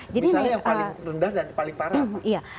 misalnya yang paling rendah dan paling parah